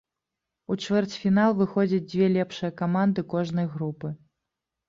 У чвэрцьфінал выходзяць дзве лепшыя каманды кожнай групы.